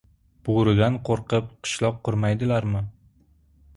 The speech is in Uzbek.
• Bo‘ridan qo‘rqib qishloq qurmaydilarmi?